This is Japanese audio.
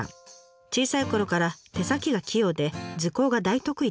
小さいころから手先が器用で図工が大得意でした。